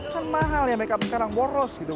kan mahal ya mereka sekarang boros gitu